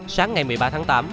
sáng ngày một mươi ba tháng tám